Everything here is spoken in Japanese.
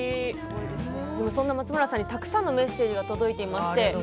松村さんに、たくさんのメッセージが届いています。